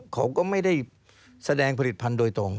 เขาก็ไม่ได้แสดงผลิตภัณฑ์โดยตรง